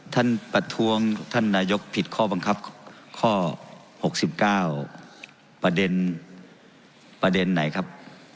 ประท้วงท่านนายกผิดข้อบังคับข้อ๖๙ประเด็นประเด็นไหนครับ